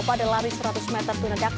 pada lari seratus meter